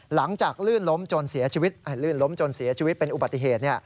หลังจากลื่นล้มจนเสียชีวิตเป็นอุบัติเหตุ